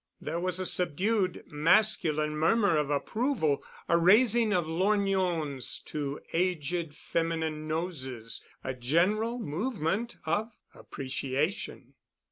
There was a subdued masculine murmur of approval, a raising of lorgnons to aged feminine noses, a general movement of appreciation.